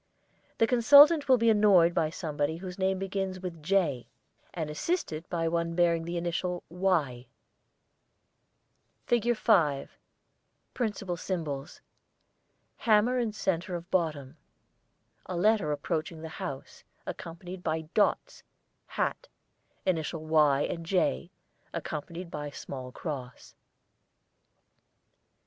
The consultant will be annoyed by somebody whose name begins with 'J,' and assisted by one bearing the initial 'Y.' [ILLUSTRATION 5] FIG. 5 Principal Symbols: Hammer in centre of bottom. A letter approaching the house, accompanied by Dots, Hat, Initials 'Y' and 'J' (accompanied by small cross).